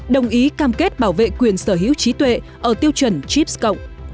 đồng ý cam kết bảo vệ quyền sở hữu trí tuệ ở tiêu chuẩn chips cộng